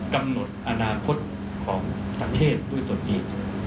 กำหนดอนาคตของประเทศด้วยตนเอง